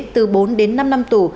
từ bốn đến năm năm tù